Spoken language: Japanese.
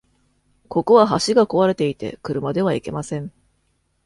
ここは橋が壊れていて車では行けません。